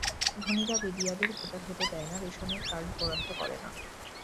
ধনীরা বেদিয়াদের ভোটার হতে দেয় না, রেশনের কার্ড বরাদ্দ করে না।